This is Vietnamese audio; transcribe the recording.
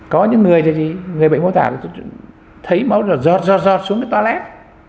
có những người thì gì người bệnh mô tả thấy máu giọt giọt giọt xuống cái toilet